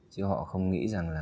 chứ họ không nghĩ rằng là